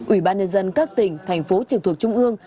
ủy ban nhân dân các tỉnh thành phố trực thuộc trung ương